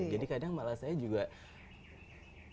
kadang malah saya juga